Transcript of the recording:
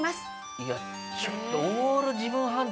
いやちょっと。